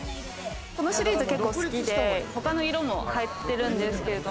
このシリーズ結構好きで、他の色も入ってるんですけど。